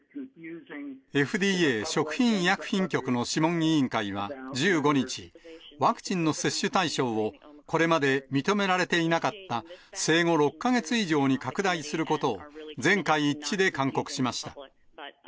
ＦＤＡ・食品医薬品局の諮問委員会は１５日、ワクチンの接種対象をこれまで認められていなかった、生後６か月以上に拡大することを、全会一致で勧告しました。